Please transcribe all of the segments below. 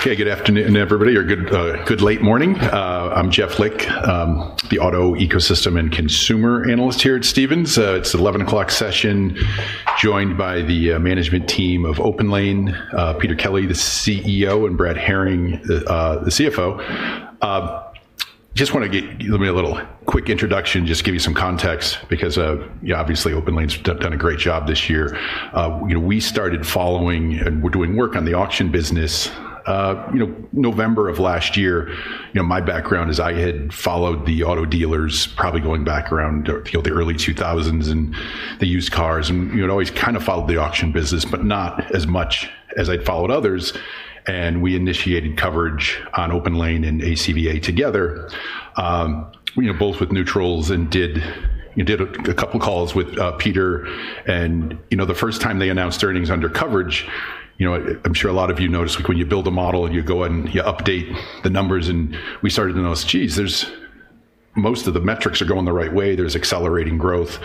Okay, good afternoon, everybody, or good late morning. I'm Jeff Lick, the auto ecosystem and consumer analyst here at Stephens. It's the 11:00 A.M. session, joined by the management team of OPENLANE, Peter Kelly, the CEO, and Brad Herring, the CFO. Just want to give me a little quick introduction, just give you some context, because obviously OPENLANE's done a great job this year. We started following and were doing work on the auction business. November of last year, my background is I had followed the auto dealers, probably going back around the early 2000s, and they used cars. And I'd always kind of followed the auction business, but not as much as I'd followed others. And we initiated coverage on OPENLANE and ACBA together, both with Neutrals, and did a couple of calls with Peter. The first time they announced earnings under coverage, I'm sure a lot of you noticed when you build a model, you go and you update the numbers. We started to notice, geez, most of the metrics are going the right way. There's accelerating growth.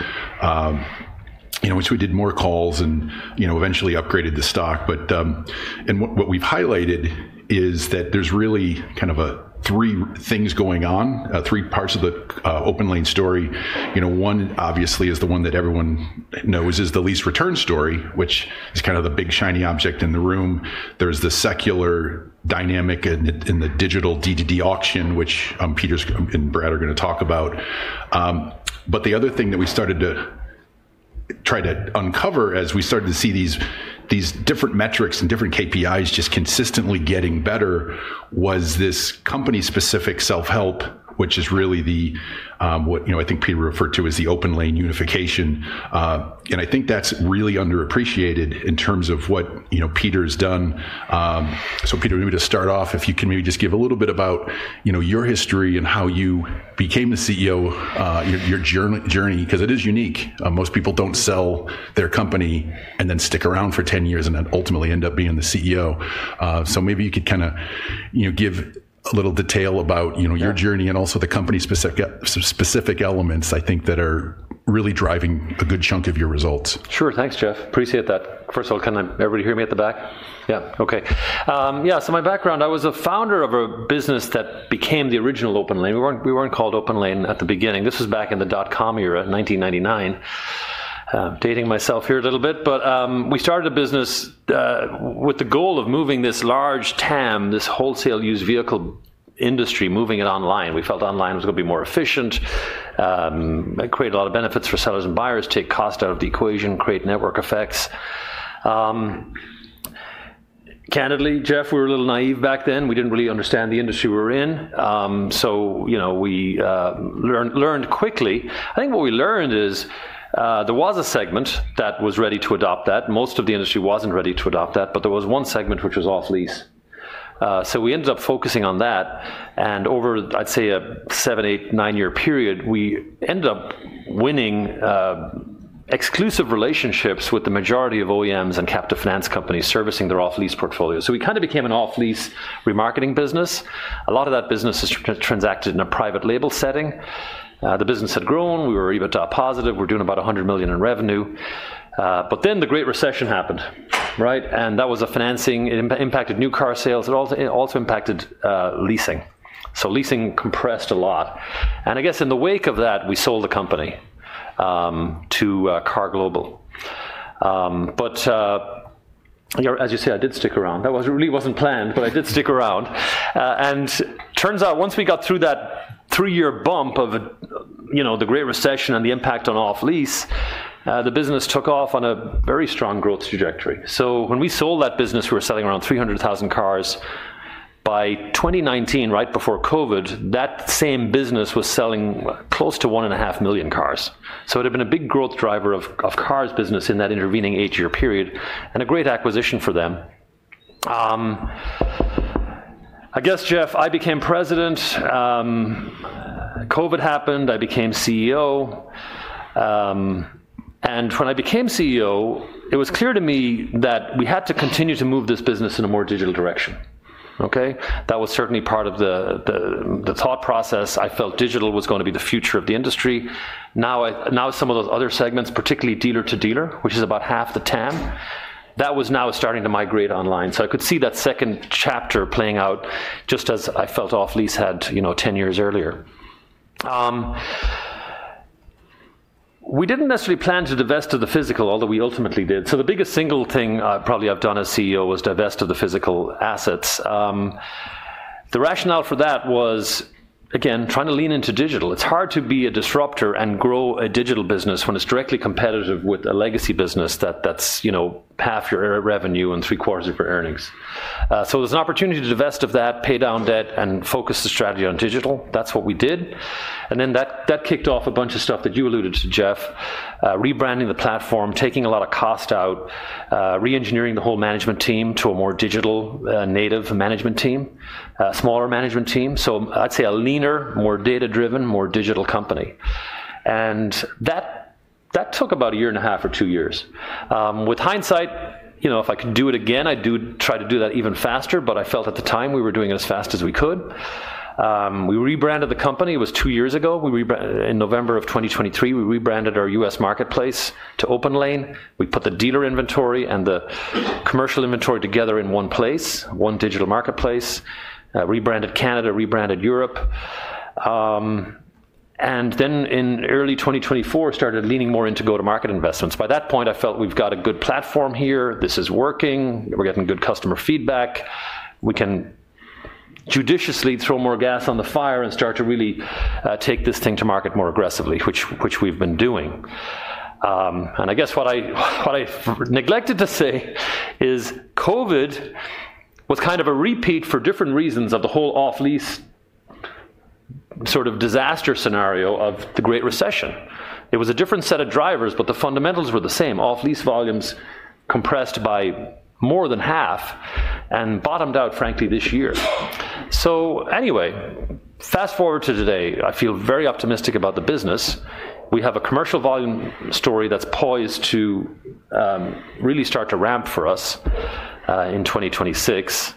We did more calls and eventually upgraded the stock. What we've highlighted is that there's really kind of three things going on, three parts of the OPENLANE story. One, obviously, is the one that everyone knows is the lease return story, which is kind of the big shiny object in the room. There's the secular dynamic in the digital D2D auction, which Peter and Brad are going to talk about. The other thing that we started to try to uncover as we started to see these different metrics and different KPIs just consistently getting better was this company-specific self-help, which is really what I think Peter referred to as the OPENLANE unification. I think that's really underappreciated in terms of what Peter's done. Peter, maybe to start off, if you can maybe just give a little bit about your history and how you became the CEO, your journey, because it is unique. Most people don't sell their company and then stick around for 10 years and then ultimately end up being the CEO. Maybe you could kind of give a little detail about your journey and also the company-specific elements, I think, that are really driving a good chunk of your results. Sure, thanks, Jeff. Appreciate that. First of all, can everybody hear me at the back? Yeah, okay. Yeah, so my background, I was a founder of a business that became the original OPENLANE. We were not called OPENLANE at the beginning. This was back in the dot-com era in 1999. I am dating myself here a little bit. We started a business with the goal of moving this large TAM, this wholesale used vehicle industry, moving it online. We felt online was going to be more efficient, create a lot of benefits for sellers and buyers, take cost out of the equation, create network effects. Candidly, Jeff, we were a little naive back then. We did not really understand the industry we were in. We learned quickly. I think what we learned is there was a segment that was ready to adopt that. Most of the industry was not ready to adopt that, but there was one segment which was off-lease. We ended up focusing on that. Over, I would say, a seven, eight, nine-year period, we ended up winning exclusive relationships with the majority of OEMs and captive finance companies servicing their off-lease portfolio. We kind of became an off-lease remarketing business. A lot of that business is transacted in a private label setting. The business had grown. We were EBITDA positive. We were doing about $100 million in revenue. The Great Recession happened, right? That was a financing impacted new car sales. It also impacted leasing. Leasing compressed a lot. I guess in the wake of that, we sold the company to KAR Global. As you say, I did stick around. That really was not planned, but I did stick around. It turns out once we got through that three-year bump of the Great Recession and the impact on off-lease, the business took off on a very strong growth trajectory. When we sold that business, we were selling around 300,000 cars. By 2019, right before COVID, that same business was selling close to one and a half million cars. It had been a big growth driver of Car's business in that intervening eight-year period and a great acquisition for them. I guess, Jeff, I became president. COVID happened. I became CEO. When I became CEO, it was clear to me that we had to continue to move this business in a more digital direction. That was certainly part of the thought process. I felt digital was going to be the future of the industry. Now some of those other segments, particularly dealer to dealer, which is about half the TAM, that was now starting to migrate online. I could see that second chapter playing out just as I felt off-lease had 10 years earlier. We did not necessarily plan to divest of the physical, although we ultimately did. The biggest single thing probably I have done as CEO was divest of the physical assets. The rationale for that was, again, trying to lean into digital. It is hard to be a disruptor and grow a digital business when it is directly competitive with a legacy business that is half your revenue and three quarters of your earnings. There is an opportunity to divest of that, pay down debt, and focus the strategy on digital. That is what we did. That kicked off a bunch of stuff that you alluded to, Jeff, rebranding the platform, taking a lot of cost out, reengineering the whole management team to a more digital native management team, smaller management team. I'd say a leaner, more data-driven, more digital company. That took about a year and a half or two years. With hindsight, if I could do it again, I do try to do that even faster, but I felt at the time we were doing it as fast as we could. We rebranded the company. It was two years ago. In November of 2023, we rebranded our U.S. marketplace to OPENLANE. We put the dealer inventory and the commercial inventory together in one place, one digital marketplace, rebranded Canada, rebranded Europe. In early 2024, started leaning more into go-to-market investments. By that point, I felt we've got a good platform here. This is working. We're getting good customer feedback. We can judiciously throw more gas on the fire and start to really take this thing to market more aggressively, which we've been doing. I guess what I neglected to say is COVID was kind of a repeat for different reasons of the whole off-lease sort of disaster scenario of the Great Recession. It was a different set of drivers, but the fundamentals were the same. Off-lease volumes compressed by more than half and bottomed out, frankly, this year. Anyway, fast forward to today. I feel very optimistic about the business. We have a commercial volume story that's poised to really start to ramp for us in 2026.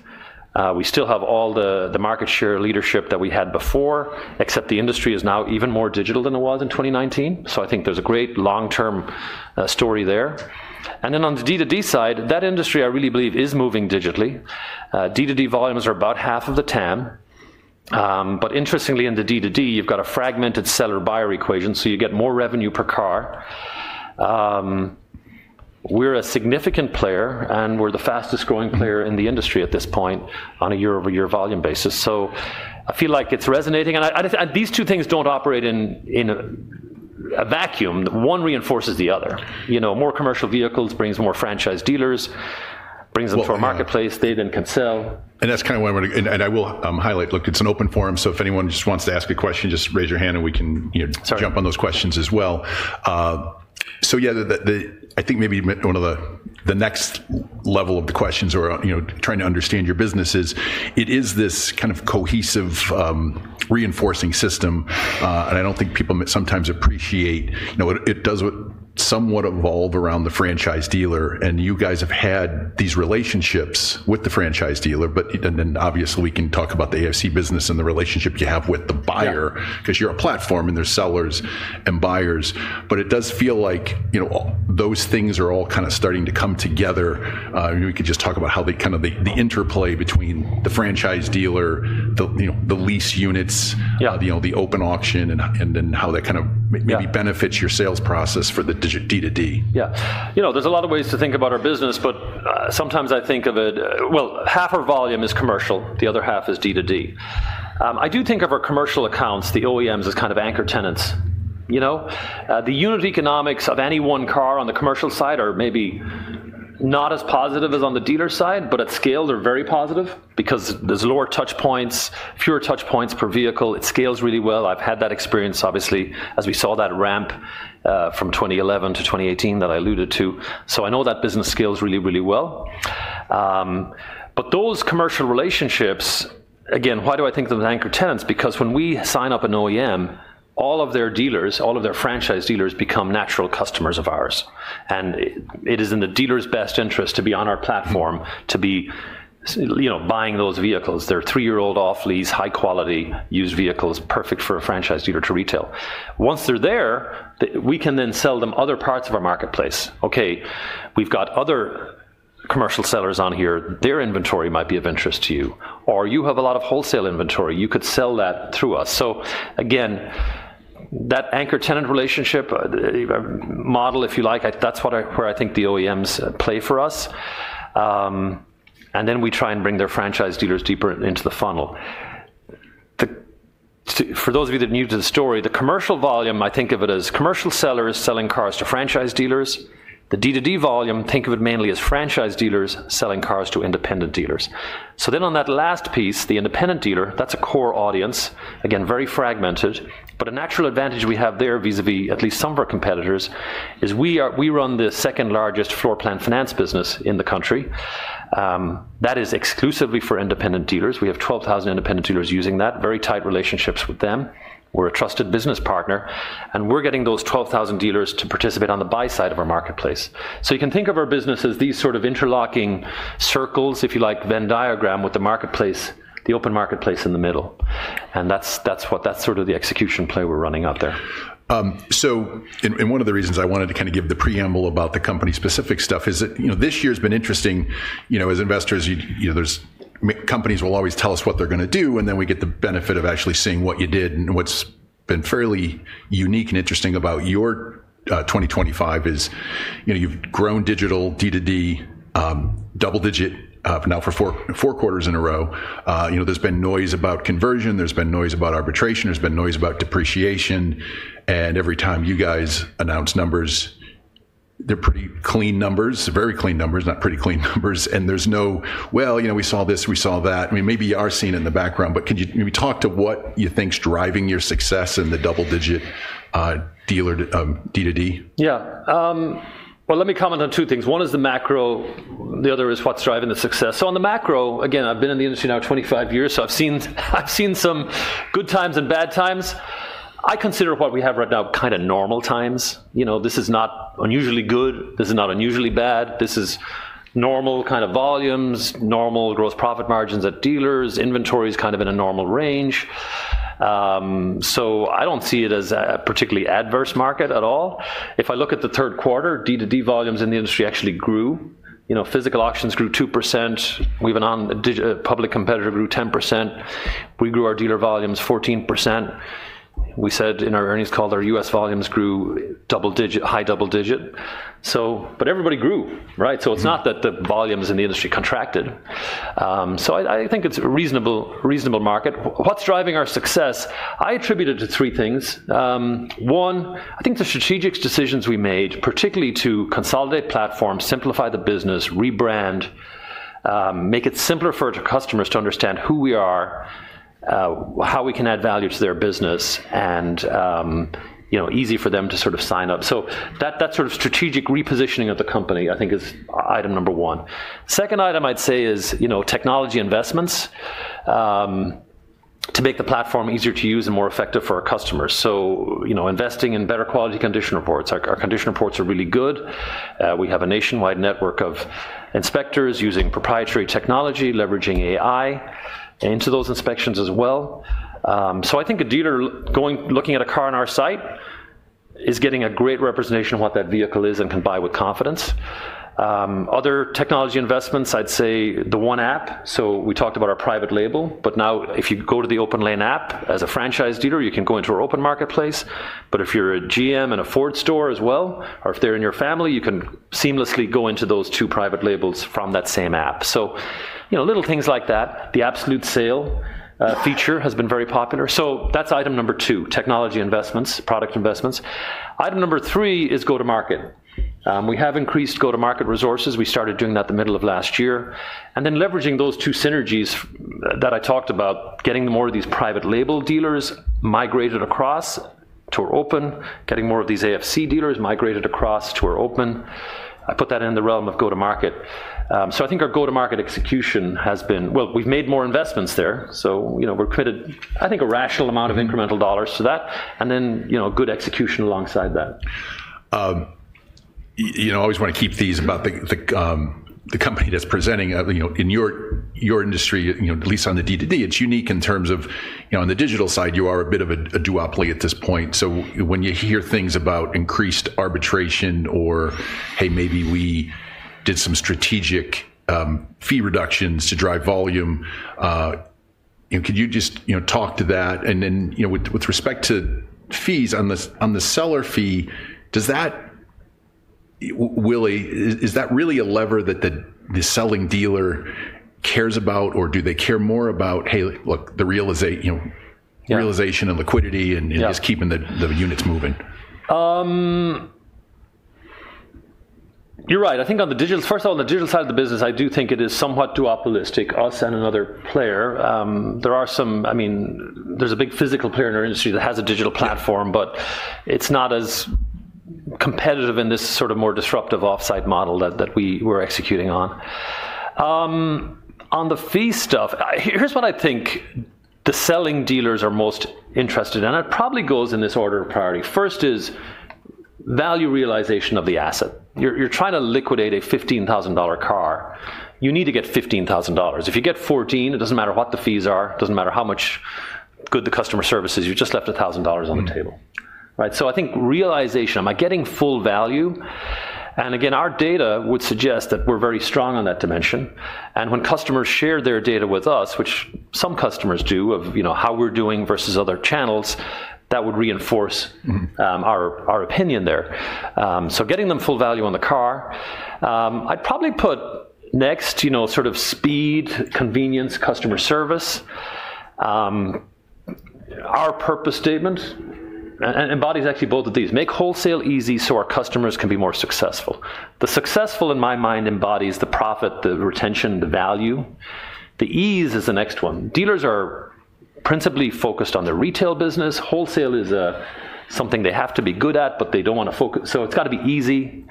We still have all the market share leadership that we had before, except the industry is now even more digital than it was in 2019. I think there's a great long-term story there. On the D2D side, that industry, I really believe, is moving digitally. D2D volumes are about half of the TAM. Interestingly, in the D2D, you've got a fragmented seller-buyer equation, so you get more revenue per car. We're a significant player, and we're the fastest growing player in the industry at this point on a year-over-year volume basis. I feel like it's resonating. These two things don't operate in a vacuum. One reinforces the other. More commercial vehicles brings more franchise dealers, brings them to a marketplace they then can sell. That is kind of why we're going to—I will highlight, look, it's an open forum. If anyone just wants to ask a question, just raise your hand, and we can jump on those questions as well. I think maybe one of the next level of the questions or trying to understand your business is, it is this kind of cohesive reinforcing system. I do not think people sometimes appreciate it does somewhat evolve around the franchise dealer. You guys have had these relationships with the franchise dealer. Obviously, we can talk about the AFC business and the relationship you have with the buyer, because you're a platform and there are sellers and buyers. It does feel like those things are all kind of starting to come together. We could just talk about how the interplay between the franchise dealer, the lease units, the open auction, and then how that kind of maybe benefits your sales process for the D2D. Yeah. There are a lot of ways to think about our business, but sometimes I think of it—half our volume is commercial. The otherhalf is D2D. I do think of our commercial accounts, the OEMs, as kind of anchor tenants. The unit economics of any one car on the commercial side are maybe not as positive as on the dealer side, but at scale, they are very positive because there are lower touch points, fewer touch points per vehicle. It scales really well. I have had that experience, obviously, as we saw that ramp from 2011 to 2018 that I alluded to. I know that business scales really, really well. Those commercial relationships, again, why do I think of them as anchor tenants? Because when we sign up an OEM, all of their dealers, all of their franchise dealers become natural customers of ours. It is in the dealer's best interest to be on our platform, to be buying those vehicles. They're three-year-old off-lease, high-quality used vehicles, perfect for a franchise dealer to retail. Once they're there, we can then sell them other parts of our marketplace. We have other commercial sellers on here. Their inventory might be of interest to you. You have a lot of wholesale inventory. You could sell that through us. Again, that anchor tenant relationship model, if you like, that's where I think the OEMs play for us. We try and bring their franchise dealers deeper into the funnel. For those of you that are new to the story, the commercial volume, I think of it as commercial sellers selling cars to franchise dealers. The D2D volume, think of it mainly as franchise dealers selling cars to independent dealers. On that last piece, the independent dealer, that's a core audience, again, very fragmented. A natural advantage we have there vis-à-vis at least some of our competitors is we run the second largest floor plan finance business in the country. That is exclusively for independent dealers. We have 12,000 independent dealers using that, very tight relationships with them. We're a trusted business partner. We're getting those 12,000 dealers to participate on the buy side of our marketplace. You can think of our business as these sort of interlocking circles, if you like, Venn diagram with the marketplace, the open marketplace in the middle. That's sort of the execution play we're running out there. One of the reasons I wanted to kind of give the preamble about the company-specific stuff is that this year has been interesting. As investors, companies will always tell us what they're going to do, and then we get the benefit of actually seeing what you did. What's been fairly unique and interesting about your 2025 is you've grown digital, D2D, double-digit now for four quarters in a row. There's been noise about conversion. There's been noise about arbitration. There's been noise about depreciation. Every time you guys announce numbers, they're pretty clean numbers, very clean numbers, not pretty clean numbers. There's no, well, we saw this, we saw that. I mean, maybe you are seen in the background, but can you maybe talk to what you think's driving your success in the double-digit dealer D2D? Yeah. Let me comment on two things. One is the macro. The other is what's driving the success. On the macro, again, I've been in the industry now 25 years, so I've seen some good times and bad times. I consider what we have right now kind of normal times. This is not unusually good. This is not unusually bad. This is normal kind of volumes, normal gross profit margins at dealers, inventories kind of in a normal range. I don't see it as a particularly adverse market at all. If I look at the third quarter, D2D volumes in the industry actually grew. Physical auctions grew 2%. We have a public competitor who grew 10%. We grew our dealer volumes 14%. We said in our earnings call that our U.S. volumes grew high double-digit. Everybody grew, right? It's not that the volumes in the industry contracted. I think it's a reasonable market. What's driving our success? I attribute it to three things. One, I think the strategic decisions we made, particularly to consolidate platform, simplify the business, rebrand, make it simpler for our customers to understand who we are, how we can add value to their business, and easy for them to sort of sign up. That sort of strategic repositioning of the company, I think, is item number one. Second item I'd say is technology investments to make the platform easier to use and more effective for our customers. Investing in better quality condition reports. Our condition reports are really good. We have a nationwide network of inspectors using proprietary technology, leveraging AI into those inspections as well. I think a dealer looking at a car on our site is getting a great representation of what that vehicle is and can buy with confidence. Other technology investments, I'd say the one app. We talked about our private label, but now if you go to the OPENLANE app as a franchise dealer, you can go into our open marketplace. If you're a GM and a Ford store as well, or if they're in your family, you can seamlessly go into those two private labels from that same app. Little things like that. The absolute sale feature has been very popular. That's item number two, technology investments, product investments. Item number three is go-to-market. We have increased go-to-market resources. We started doing that the middle of last year. Leveraging those two synergies that I talked about, getting more of these private label dealers migrated across to our open, getting more of these AFC dealers migrated across to our open. I put that in the realm of go-to-market. I think our go-to-market execution has been, we've made more investments there. We are committed, I think, a rational amount of incremental dollars to that, and then good execution alongside that. I always want to keep these about the company that's presenting. In your industry, at least on the D2D, it's unique in terms of on the digital side, you are a bit of a duopoly at this point. When you hear things about increased arbitration or, "Hey, maybe we did some strategic fee reductions to drive volume," could you just talk to that? With respect to fees, on the seller fee, is that really a lever that the selling dealer cares about, or do they care more about, "Hey, look, the realization and liquidity and just keeping the units moving"? You're right. I think on the digital—first of all, on the digital side of the business, I do think it is somewhat duopolistic, us and another player. There are some—I mean, there's a big physical player in our industry that has a digital platform, but it's not as competitive in this sort of more disruptive offsite model that we were executing on. On the fee stuff, here's what I think the selling dealers are most interested in, and it probably goes in this order of priority. First is value realization of the asset. You're trying to liquidate a $15,000 car. You need to get $15,000. If you get $14,000 it doesn't matter what the fees are. It doesn't matter how much good the customer service is. You just left $1,000 on the table. Right? I think realization, am I getting full value? Our data would suggest that we're very strong on that dimension. When customers share their data with us, which some customers do of how we're doing versus other channels, that would reinforce our opinion there. Getting them full value on the car. I'd probably put next sort of speed, convenience, customer service. Our purpose statement embodies actually both of these. Make wholesale easy so our customers can be more successful. The successful, in my mind, embodies the profit, the retention, the value. The ease is the next one. Dealers are principally focused on their retail business. Wholesale is something they have to be good at, but they don't want to focus. It's got to be easy,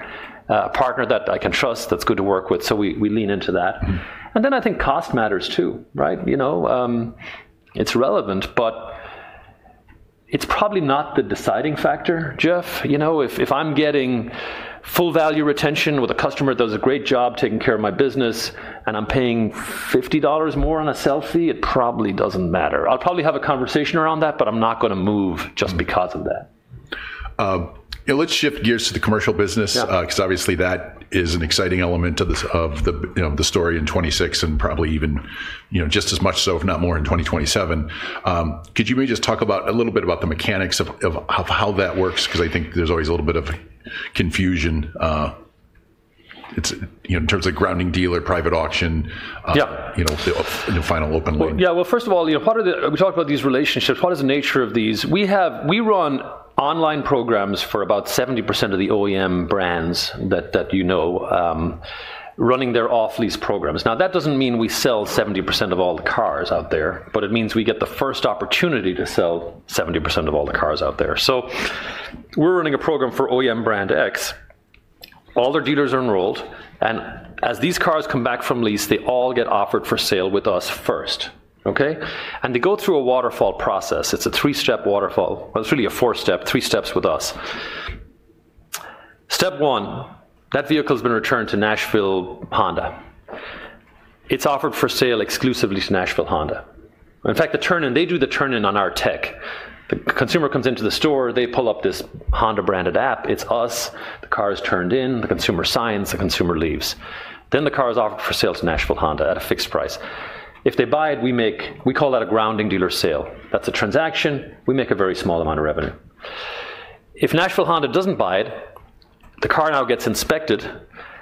a partner that I can trust, that's good to work with. We lean into that. I think cost matters too, right? It's relevant, but it's probably not the deciding factor, Jeff. If I'm getting full value retention with a customer that does a great job taking care of my business, and I'm paying $50 more on a sale fee, it probably doesn't matter. I'll probably have a conversation around that, but I'm not going to move just because of that. Let's shift gears to the commercial business, because obviously that is an exciting element of the story in 2026 and probably even just as much so, if not more, in 2027. Could you maybe just talk a little bit about the mechanics of how that works? Because I think there's always a little bit of confusion in terms of grounding dealer, private auction, the final OPENLANE. Yeah. First of all, we talked about these relationships. What is the nature of these? We run online programs for about 70% of the OEM brands that you know, running their off-lease programs. That does not mean we sell 70% of all the cars out there, but it means we get the first opportunity to sell 70% of all the cars out there. We are running a program for OEM brand X. All their dealers are enrolled. As these cars come back from lease, they all get offered for sale with us first. They go through a waterfall process. It is a three-step waterfall. It is really a four-step, three steps with us. Step one, that vehicle has been returned to Nashville Honda. It is offered for sale exclusively to Nashville Honda. In fact, they do the turn-in on our tech. The consumer comes into the store. They pull up this Honda-branded app. It's us. The car is turned in. The consumer signs. The consumer leaves. The car is offered for sale to Nashville Honda at a fixed price. If they buy it, we call that a grounding dealer sale. That's a transaction. We make a very small amount of revenue. If Nashville Honda doesn't buy it, the car now gets inspected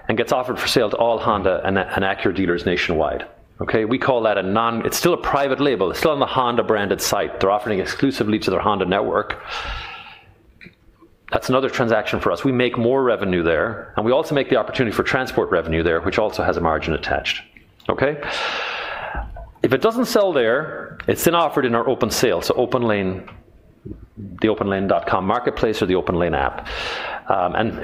and gets offered for sale to all Honda and Acura dealers nationwide. We call that a non—it's still a private label. It's still on the Honda-branded site. They're offering exclusively to their Honda network. That's another transaction for us. We make more revenue there. We also make the opportunity for transport revenue there, which also has a margin attached. If it doesn't sell there, it's then offered in our open sale, the openlane.com marketplace or the OPENLANE app.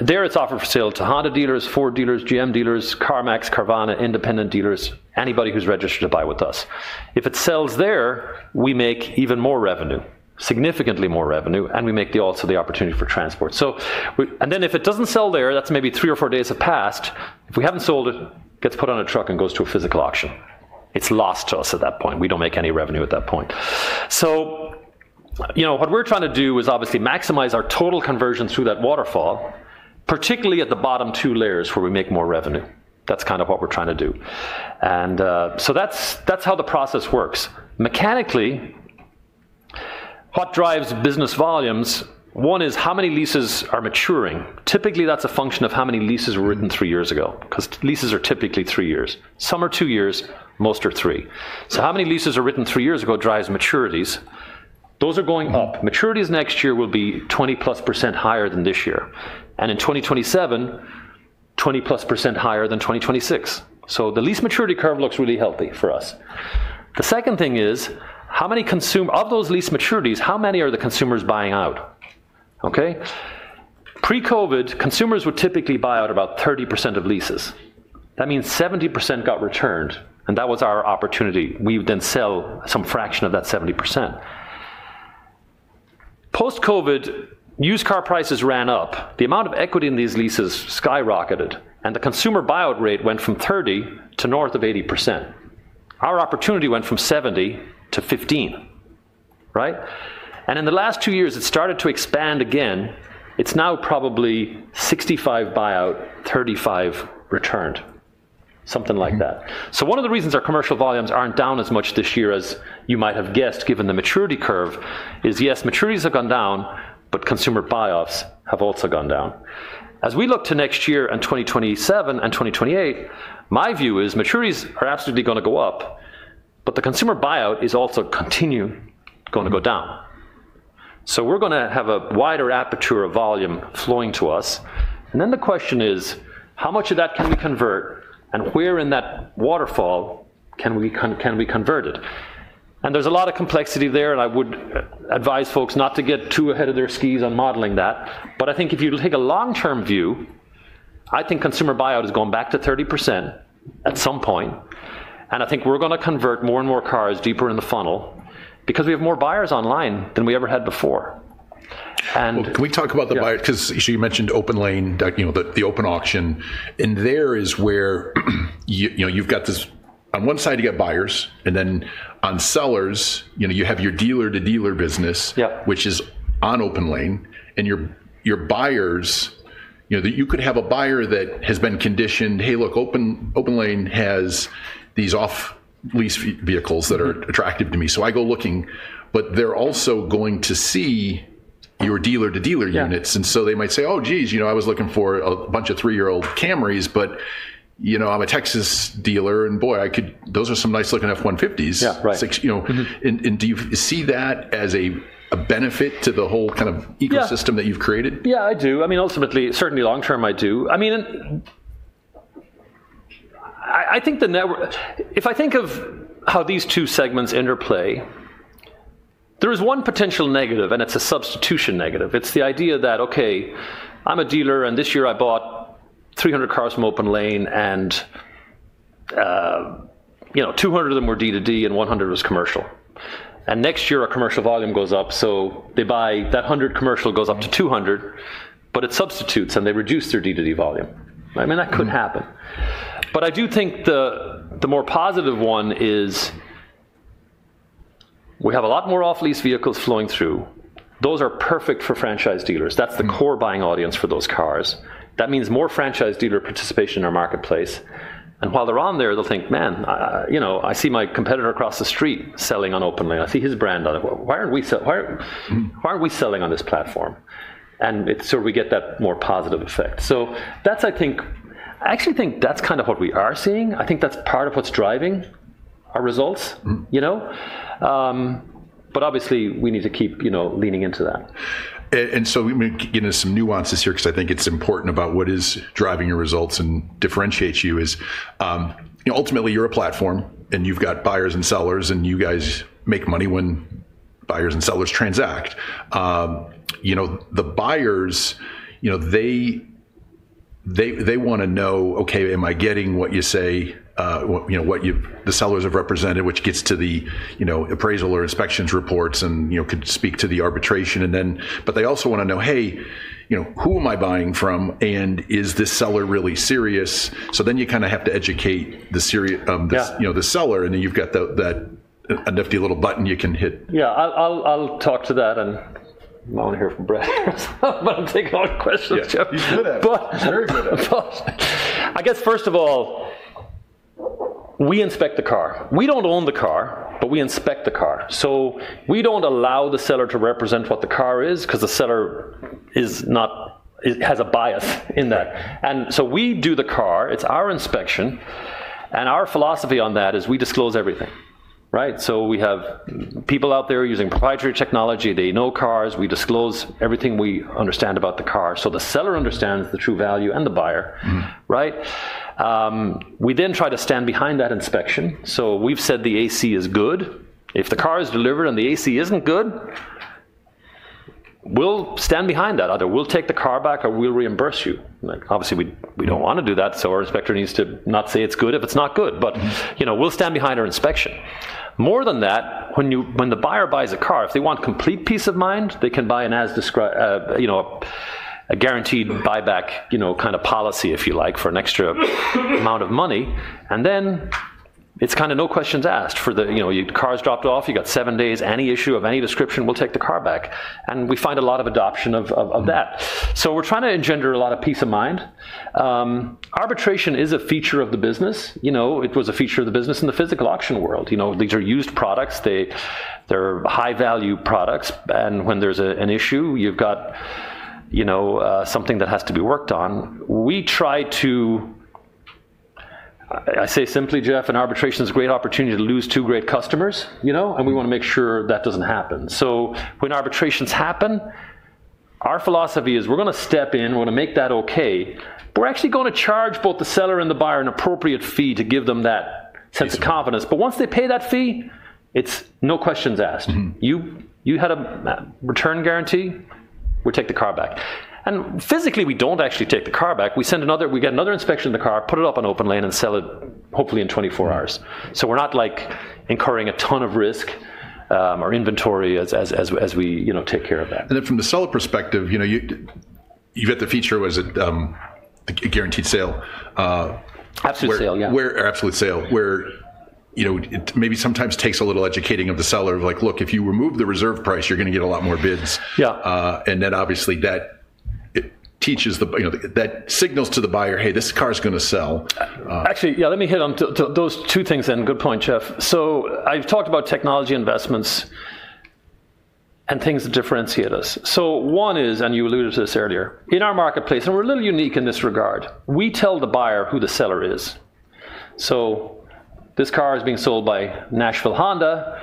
There, it's offered for sale to Honda dealers, Ford dealers, GM dealers, CarMax, Carvana, independent dealers, anybody who's registered to buy with us. If it sells there, we make even more revenue, significantly more revenue, and we make also the opportunity for transport. If it doesn't sell there, that's maybe three or four days have passed. If we haven't sold it, it gets put on a truck and goes to a physical auction. It's lost to us at that point. We don't make any revenue at that point. What we're trying to do is obviously maximize our total conversion through that waterfall, particularly at the bottom two layers where we make more revenue. That's kind of what we're trying to do. That's how the process works. Mechanically, what drives business volumes? One is how many leases are maturing. Typically, that's a function of how many leases were written three years ago, because leases are typically three years. Some are two years. Most are three. How many leases were written three years ago drives maturities. Those are going up. Maturities next year will be 20% + higher than this year. In 2027, 20% + higher than 2026. The lease maturity curve looks really healthy for us. The second thing is, of those lease maturities, how many are the consumers buying out? Pre-COVID, consumers would typically buy out about 30% of leases. That means 70% got returned, and that was our opportunity. We would then sell some fraction of that 70%. Post-COVID, used car prices ran up. The amount of equity in these leases skyrocketed, and the consumer buyout rate went from 30% to north of 80%. Our opportunity went from 70% to 15%. Right? In the last two years, it started to expand again. It's now probably 65% buyout, 35% returned, something like that. One of the reasons our commercial volumes aren't down as much this year as you might have guessed, given the maturity curve, is yes, maturities have gone down, but consumer buyoffs have also gone down. As we look to next year and 2027 and 2028, my view is maturities are absolutely going to go up, but the consumer buyout is also continuing to go down. We're going to have a wider aperture of volume flowing to us. The question is, how much of that can we convert, and where in that waterfall can we convert it? There's a lot of complexity there, and I would advise folks not to get too ahead of their skis on modeling that. I think if you take a long-term view, I think consumer buyout is going back to 30% at some point. I think we're going to convert more and more cars deeper in the funnel because we have more buyers online than we ever had before. Can we talk about the buyers? Because you mentioned OPENLANE, the open auction. There is where you've got this on one side, you get buyers, and then on sellers, you have your dealer-to-dealer business, which is on OPENLANE. Your buyers, you could have a buyer that has been conditioned, "Hey, look, OPENLANE has these off-lease vehicles that are attractive to me." I go looking, but they're also going to see your dealer-to-dealer units. They might say, "Oh, geez, I was looking for a bunch of three-year-old Camrys, but I'm a Texas dealer, and boy, those are some nice-looking F-150s." Do you see that as a benefit to the whole kind of ecosystem that you've created? Yeah, I do. I mean, ultimately, certainly long-term, I do. I mean, I think the network, if I think of how these two segments interplay, there is one potential negative, and it's a substitution negative. It's the idea that, "Okay, I'm a dealer, and this year I bought 300 cars from OPENLANE, and 200 of them were D2D, and 100 was commercial." Next year, our commercial volume goes up, so they buy that 100 commercial goes up to 200, but it substitutes, and they reduce their D2D volume. I mean, that could happen. I do think the more positive one is we have a lot more off-lease vehicles flowing through. Those are perfect for franchise dealers. That's the core buying audience for those cars. That means more franchise dealer participation in our marketplace. While they're on there, they'll think, "Man, I see my competitor across the street selling on OPENLANE. I see his brand on it. Why aren't we selling on this platform?" We get that more positive effect. I actually think that's kind of what we are seeing. I think that's part of what's driving our results. Obviously, we need to keep leaning into that. Some nuances here, because I think it's important about what is driving your results and differentiates you is ultimately, you're a platform, and you've got buyers and sellers, and you guys make money when buyers and sellers transact. The buyers, they want to know, "Okay, am I getting what you say, what the sellers have represented," which gets to the appraisal or inspections reports and could speak to the arbitration. They also want to know, "Hey, who am I buying from, and is this seller really serious?" You kind of have to educate the seller, and then you've got that nifty little button you can hit. Yeah. I'll talk to that, and I want to hear from Brad here. I'm going to take all the questions, Jeff. You can do that. Very good. I guess, first of all, we inspect the car. We do not own the car, but we inspect the car. We do not allow the seller to represent what the car is because the seller has a bias in that. We do the car. It is our inspection. Our philosophy on that is we disclose everything. Right? We have people out there using proprietary technology. They know cars. We disclose everything we understand about the car. The seller understands the true value and the buyer. Right? We then try to stand behind that inspection. We have said the AC is good. If the car is delivered and the AC is not good, we will stand behind that. Either we will take the car back or we will reimburse you. Obviously, we do not want to do that, so our inspector needs to not say it is good if it is not good. We'll stand behind our inspection. More than that, when the buyer buys a car, if they want complete peace of mind, they can buy a guaranteed buyback kind of policy, if you like, for an extra amount of money. Then it's kind of no questions asked. The car is dropped off. You got seven days. Any issue of any description, we'll take the car back. We find a lot of adoption of that. We're trying to engender a lot of peace of mind. Arbitration is a feature of the business. It was a feature of the business in the physical auction world. These are used products. They're high-value products. When there's an issue, you've got something that has to be worked on. I say simply, Jeff, arbitration is a great opportunity to lose two great customers. We want to make sure that doesn't happen. When arbitrations happen, our philosophy is we're going to step in. We're going to make that okay. We're actually going to charge both the seller and the buyer an appropriate fee to give them that sense of confidence. Once they pay that fee, it's no questions asked. You had a return guarantee. We take the car back. Physically, we don't actually take the car back. We get another inspection of the car, put it up on OPENLANE, and sell it hopefully in 24 hours. We're not incurring a ton of risk or inventory as we take care of that. From the seller perspective, you've got the feature, was it a guaranteed sale? Absolute sale, yeah. Absolute sale, where it maybe sometimes takes a little educating of the seller of like, "Look, if you remove the reserve price, you're going to get a lot more bids." Obviously, that signals to the buyer, "Hey, this car is going to sell. Actually, yeah, let me hit on those two things then. Good point, Jeff. I’ve talked about technology investments and things that differentiate us. One is, and you alluded to this earlier, in our marketplace, and we're a little unique in this regard, we tell the buyer who the seller is. This car is being sold by Nashville Honda.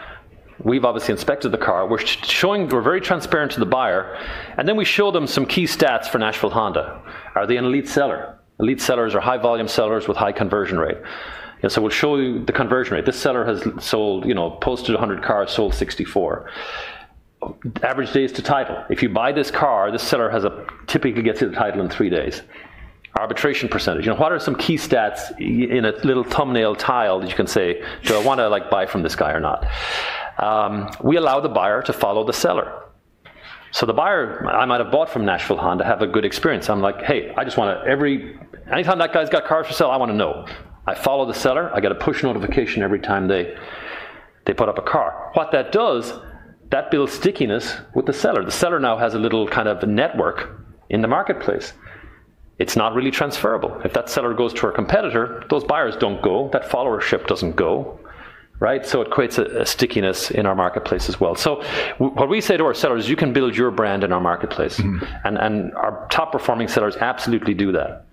We've obviously inspected the car, which is showing we're very transparent to the buyer. We show them some key stats for Nashville Honda. Are they an elite seller? Elite sellers are high-volume sellers with high conversion rate. We’ll show you the conversion rate. This seller has posted 100 cars, sold 64. Average days to title. If you buy this car, this seller typically gets you the title in three days. Arbitration percentage. What are some key stats in a little thumbnail tile that you can say, "Do I want to buy from this guy or not?" We allow the buyer to follow the seller. So the buyer, I might have bought from Nashville Honda, have a good experience. I'm like, "Hey, I just want to anytime that guy's got cars for sale, I want to know." I follow the seller. I get a push notification every time they put up a car. What that does, that builds stickiness with the seller. The seller now has a little kind of network in the marketplace. It's not really transferable. If that seller goes to a competitor, those buyers don't go. That followership doesn't go. Right? It creates a stickiness in our marketplace as well. What we say to our sellers is you can build your brand in our marketplace. Our top-performing sellers absolutely do that.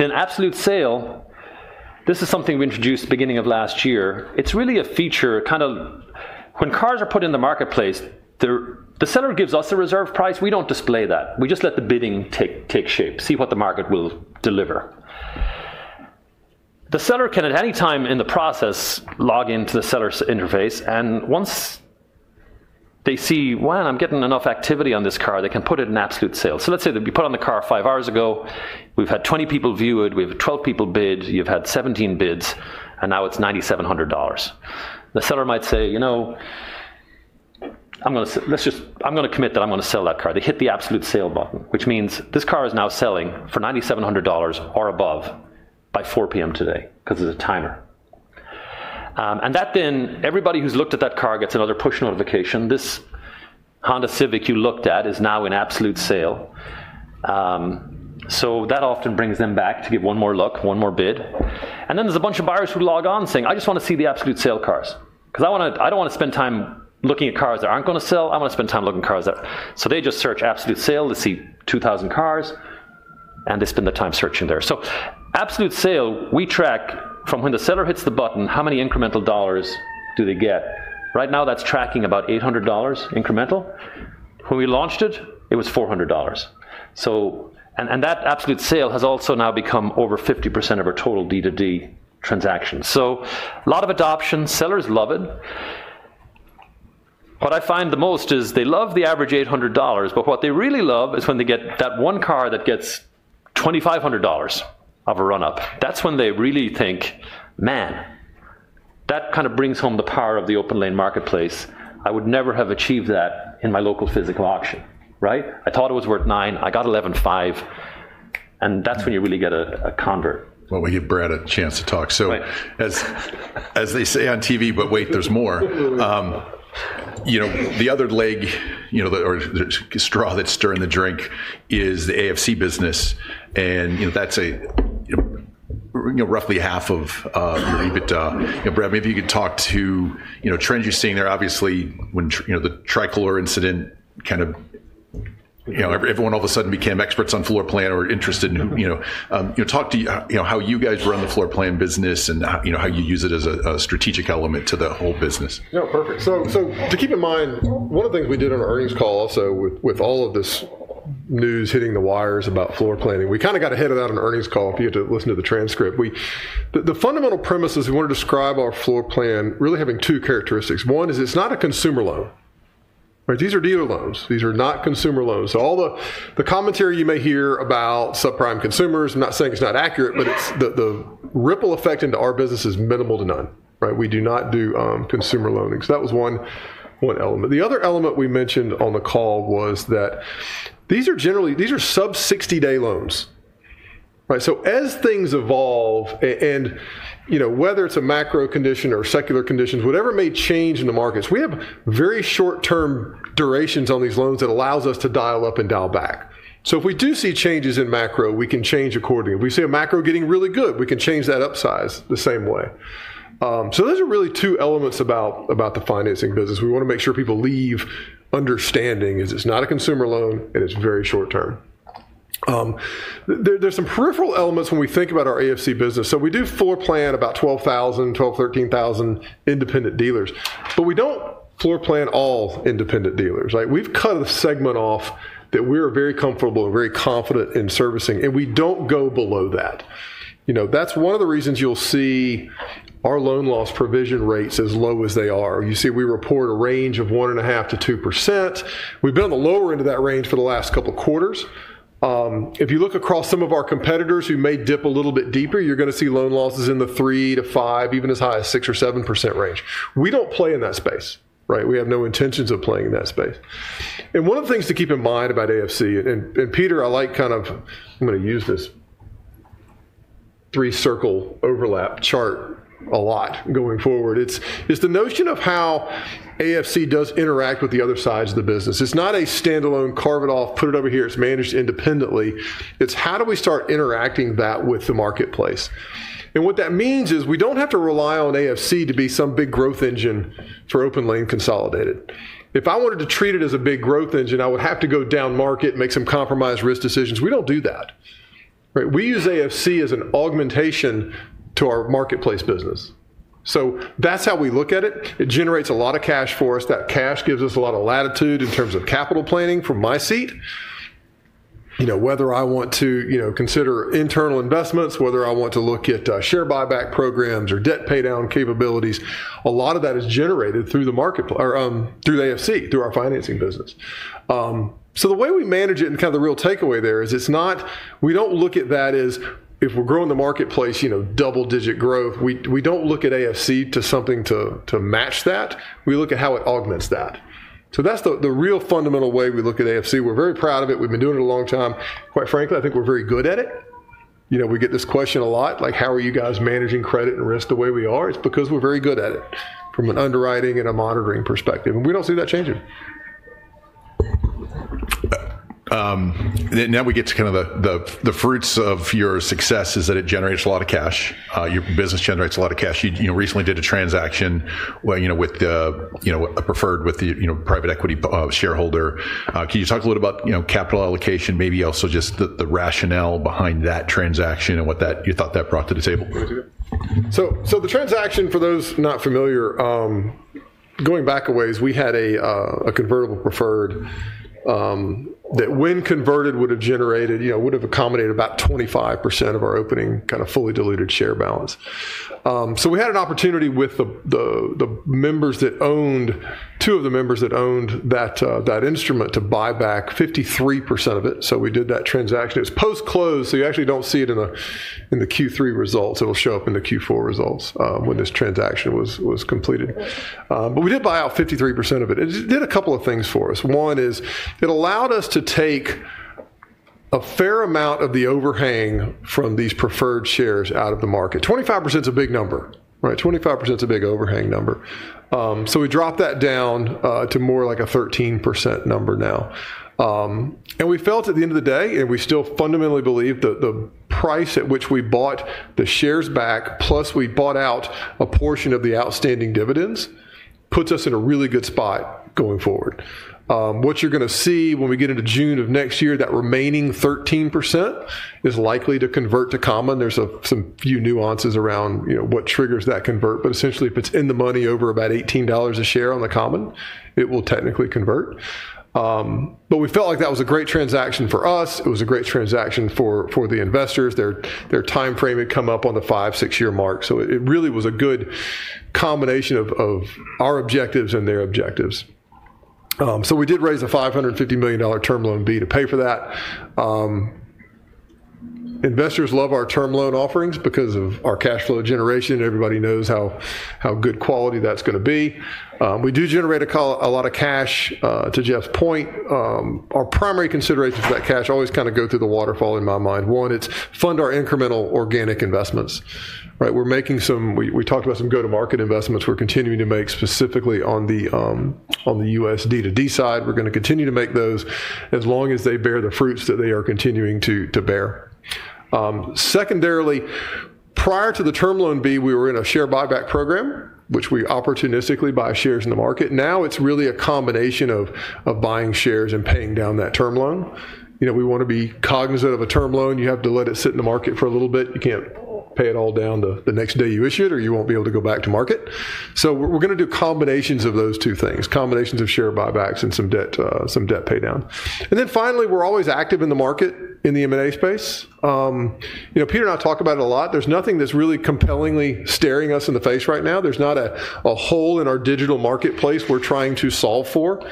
Absolute sale, this is something we introduced beginning of last year. It's really a feature kind of when cars are put in the marketplace, the seller gives us a reserve price. We don't display that. We just let the bidding take shape, see what the market will deliver. The seller can at any time in the process log into the seller's interface. Once they see, "I'm getting enough activity on this car," they can put it in absolute sale. Let's say that we put on the car five hours ago. We've had 20 people view it. We have 12 people bid. You've had 17 bids, and now it's $9,700. The seller might say, "You know, let's just commit that I'm going to sell that car." They hit the absolute sale button, which means this car is now selling for $9,700 or above by 4:00 P.M. today because of the timer. That then, everybody who's looked at that car gets another push notification. This Honda Civic you looked at is now in absolute sale. That often brings them back to give one more look, one more bid. There are a bunch of buyers who log on saying, "I just want to see the absolute sale cars because I don't want to spend time looking at cars that aren't going to sell. I want to spend time looking at cars that." They just search absolute sale to see 2,000 cars, and they spend the time searching there. Absolute sale, we track from when the seller hits the button, how many incremental dollars do they get. Right now, that's tracking about $800 incremental. When we launched it, it was $400. That absolute sale has also now become over 50% of our total D2D transactions. A lot of adoption. Sellers love it. What I find the most is they love the average $800, but what they really love is when they get that one car that gets $2,500 of a run-up. That's when they really think, "Man, that kind of brings home the power of the OPENLANE marketplace. I would never have achieved that in my local physical auction." Right? I thought it was worth 9. I got 11.5. That's when you really get a convert. We give Brad a chance to talk. As they say on TV, "But wait, there's more." The other leg or straw that's stirring the drink is the AFC business. That's roughly half of your EBITDA. Brad, maybe you could talk to trends you're seeing there. Obviously, when the Tricular incident kind of everyone all of a sudden became experts on floor plan or interested in talk to how you guys run the floor plan business and how you use it as a strategic element to the whole business. No, perfect. To keep in mind, one of the things we did on our earnings call, also with all of this news hitting the wires about floor planning, we kind of got ahead of that on earnings call. If you had to listen to the transcript, the fundamental premise is we want to describe our floor plan really having two characteristics. One is it's not a consumer loan. These are dealer loans. These are not consumer loans. All the commentary you may hear about subprime consumers, I'm not saying it's not accurate, but the ripple effect into our business is minimal to none. Right? We do not do consumer loaning. That was one element. The other element we mentioned on the call was that these are sub-60-day loans. Right? As things evolve, and whether it's a macro condition or secular conditions, whatever may change in the markets, we have very short-term durations on these loans that allows us to dial up and dial back. If we do see changes in macro, we can change accordingly. If we see a macro getting really good, we can change that upsize the same way. Those are really two elements about the financing business. We want to make sure people leave understanding it's not a consumer loan, and it's very short-term. There's some peripheral elements when we think about our AFC business. We do floor plan about 12,000-13,000 independent dealers. We don't floor plan all independent dealers. We've cut a segment off that we're very comfortable and very confident in servicing, and we don't go below that. That's one of the reasons you'll see our loan loss provision rates as low as they are. You see we report a range of 1.5%-2%. We've been on the lower end of that range for the last couple of quarters. If you look across some of our competitors who may dip a little bit deeper, you're going to see loan losses in the 3%-5%, even as high as 6% or 7% range. We don't play in that space. Right? We have no intentions of playing in that space. One of the things to keep in mind about AFC, and Peter, I like kind of I'm going to use this three-circle overlap chart a lot going forward. It's the notion of how AFC does interact with the other sides of the business. It's not a standalone carve it off, put it over here. It's managed independently. It's how do we start interacting that with the marketplace? What that means is we don't have to rely on AFC to be some big growth engine for OPENLANE consolidated. If I wanted to treat it as a big growth engine, I would have to go down market, make some compromise risk decisions. We don't do that, right? We use AFC as an augmentation to our marketplace business. That's how we look at it. It generates a lot of cash for us. That cash gives us a lot of latitude in terms of capital planning from my seat. Whether I want to consider internal investments, whether I want to look at share repurchase programs or debt paydown capabilities, a lot of that is generated through the marketplace or through AFC, through our financing business. The way we manage it and kind of the real takeaway there is we don't look at that as if we're growing the marketplace, double-digit growth. We don't look at AFC to something to match that. We look at how it augments that. That's the real fundamental way we look at AFC. We're very proud of it. We've been doing it a long time. Quite frankly, I think we're very good at it. We get this question a lot, like, "How are you guys managing credit and risk the way we are?" It's because we're very good at it from an underwriting and a monitoring perspective. We don't see that changing. Now we get to kind of the fruits of your success is that it generates a lot of cash. Your business generates a lot of cash. You recently did a transaction with a preferred with the private equity shareholder. Can you talk a little bit about capital allocation, maybe also just the rationale behind that transaction and what you thought that brought to the table? The transaction, for those not familiar, going back a ways, we had a convertible preferred that when converted would have generated, would have accommodated about 25% of our opening kind of fully diluted share balance. We had an opportunity with the members that owned, two of the members that owned that instrument to buy back 53% of it. We did that transaction. It was post-close, so you actually do not see it in the Q3 results. It will show up in the Q4 results when this transaction was completed. We did buy out 53% of it. It did a couple of things for us. One is it allowed us to take a fair amount of the overhang from these preferred shares out of the market. 25% is a big number. Right? 25% is a big overhang number. We dropped that down to more like a 13% number now. We felt at the end of the day, and we still fundamentally believe that the price at which we bought the shares back, plus we bought out a portion of the outstanding dividends, puts us in a really good spot going forward. What you're going to see when we get into June of next year, that remaining 13% is likely to convert to common. There are some few nuances around what triggers that convert. Essentially, if it's in the money over about $18 a share on the common, it will technically convert. We felt like that was a great transaction for us. It was a great transaction for the investors. Their timeframe had come up on the five, six-year mark. It really was a good combination of our objectives and their objectives. We did raise a $550 million term loan B to pay for that. Investors love our term loan offerings because of our cash flow generation. Everybody knows how good quality that's going to be. We do generate a lot of cash, to Jeff's point. Our primary considerations for that cash always kind of go through the waterfall in my mind. One, it's fund our incremental organic investments. Right? We're making some, we talked about some go-to-market investments. We're continuing to make specifically on the U.S. D2D side. We're going to continue to make those as long as they bear the fruits that they are continuing to bear. Secondarily, prior to the term loan B, we were in a share repurchase program, which we opportunistically buy shares in the market. Now it's really a combination of buying shares and paying down that term loan. We want to be cognizant of a term loan. You have to let it sit in the market for a little bit. You can't pay it all down the next day you issue it, or you won't be able to go back to market. We are going to do combinations of those two things, combinations of share buybacks and some debt paydown. Finally, we are always active in the market in the M&A space. Peter and I talk about it a lot. There is nothing that is really compellingly staring us in the face right now. There is not a hole in our digital marketplace we are trying to solve for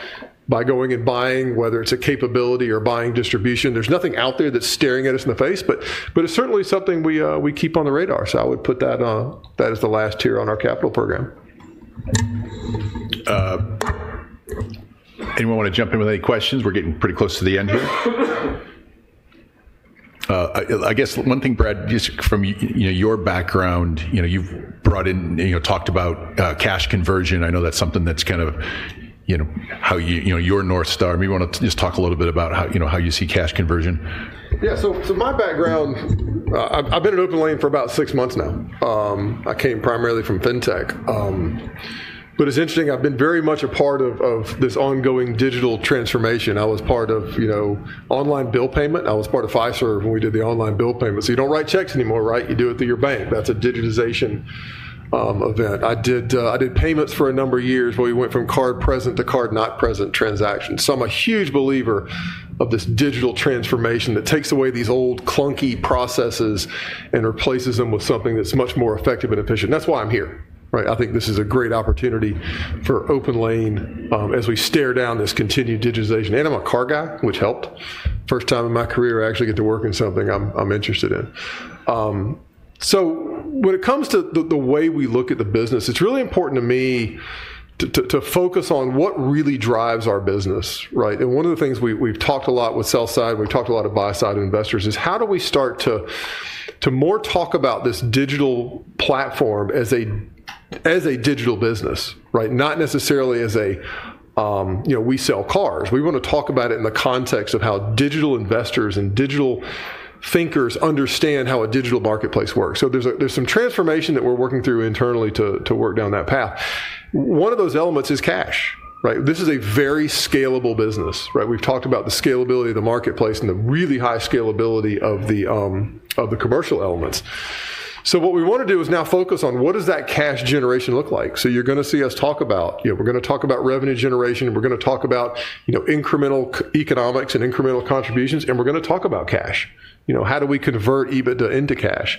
by going and buying, whether it is a capability or buying distribution. There is nothing out there that is staring at us in the face, but it is certainly something we keep on the radar. I would put that as the last tier on our capital program. Anyone want to jump in with any questions? We're getting pretty close to the end here. I guess one thing, Brad, just from your background, you've brought in, talked about cash conversion. I know that's something that's kind of how you're North Star. Maybe you want to just talk a little bit about how you see cash conversion. Yeah. So my background, I've been at OPENLANE for about six months now. I came primarily from fintech. But it's interesting, I've been very much a part of this ongoing digital transformation. I was part of online bill payment. I was part of Fiserv when we did the online bill payment. So you don't write checks anymore, right? You do it through your bank. That's a digitization event. I did payments for a number of years where we went from card present to card not present transactions. So I'm a huge believer of this digital transformation that takes away these old clunky processes and replaces them with something that's much more effective and efficient. That's why I'm here. Right? I think this is a great opportunity for OPENLANE as we stare down this continued digitization. And I'm a car guy, which helped. First time in my career I actually get to work in something I'm interested in. So when it comes to the way we look at the business, it's really important to me to focus on what really drives our business. Right? And one of the things we've talked a lot with sell side and we've talked a lot of buy side investors is how do we start to more talk about this digital platform as a digital business, right? Not necessarily as a, we sell cars. We want to talk about it in the context of how digital investors and digital thinkers understand how a digital marketplace works. So there's some transformation that we're working through internally to work down that path. One of those elements is cash. Right? This is a very scalable business. Right? We've talked about the scalability of the marketplace and the really high scalability of the commercial elements. What we want to do is now focus on what does that cash generation look like? You're going to see us talk about, we're going to talk about revenue generation. We're going to talk about incremental economics and incremental contributions. We're going to talk about cash. How do we convert EBITDA into cash?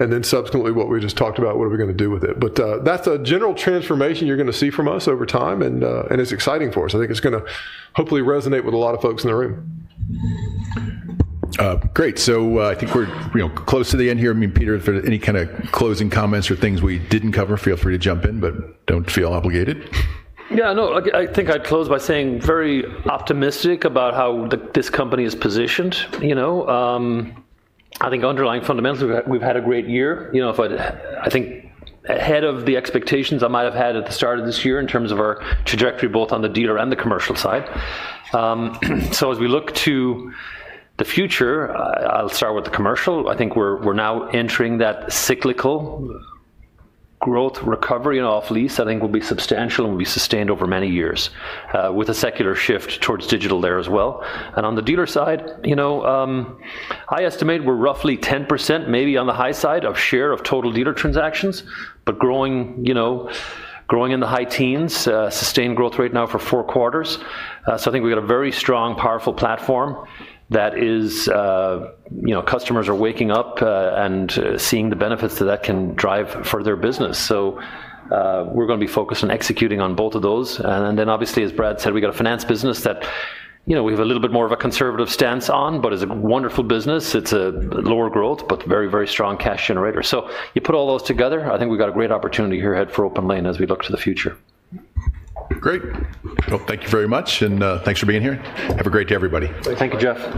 Subsequently, what we just talked about, what are we going to do with it? That's a general transformation you're going to see from us over time. It's exciting for us. I think it's going to hopefully resonate with a lot of folks in the room. Great. I think we're close to the end here. I mean, Peter, if there's any kind of closing comments or things we didn't cover, feel free to jump in, but don't feel obligated. Yeah. No, I think I'd close by saying very optimistic about how this company is positioned. I think underlying fundamentally, we've had a great year. I think ahead of the expectations I might have had at the start of this year in terms of our trajectory, both on the dealer and the commercial side. As we look to the future, I'll start with the commercial. I think we're now entering that cyclical growth recovery and off-lease. I think it will be substantial and will be sustained over many years with a secular shift towards digital there as well. On the dealer side, I estimate we're roughly 10% maybe on the high side of share of total dealer transactions, but growing in the high teens, sustained growth rate now for four quarters. I think we've got a very strong, powerful platform that customers are waking up and seeing the benefits that that can drive for their business. We're going to be focused on executing on both of those. Obviously, as Brad said, we've got a finance business that we have a little bit more of a conservative stance on, but it's a wonderful business. It's a lower growth, but very, very strong cash generator. You put all those together, I think we've got a great opportunity here ahead for OPENLANE as we look to the future. Great. Thank you very much. Thanks for being here. Have a great day, everybody. Thank you, Jeff.